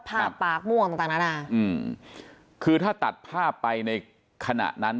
ปากม่วงต่างต่างนานาอืมคือถ้าตัดภาพไปในขณะนั้น